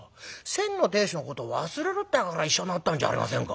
先の亭主のことを忘れるってえから一緒になったんじゃありませんか。